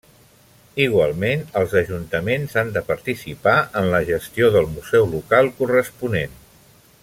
Igualment, els ajuntaments han de participar en la gestió del museu local corresponent.